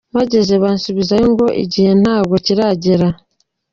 Mpageze bansubizayo ngo igihe ntabwo kiragera.